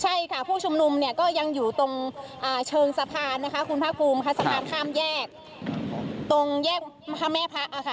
ใช่ค่ะผู้ชุมนุมเนี่ยก็ยังอยู่ตรงเชิงสะพานนะคะคุณภาคภูมิค่ะสะพานข้ามแยกตรงแยกพระแม่พระค่ะ